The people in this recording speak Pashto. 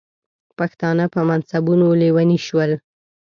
پښتانه په منصبونو لیوني شول.